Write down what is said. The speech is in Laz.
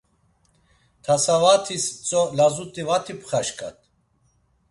Tasavatis tzo lazut̆i vati pxaşǩat.